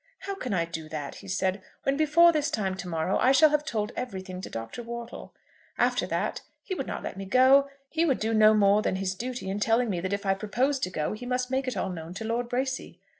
"How can I do that," he said, "when before this time to morrow I shall have told everything to Dr. Wortle? After that, he would not let me go. He would do no more than his duty in telling me that if I proposed to go he must make it all known to Lord Bracy.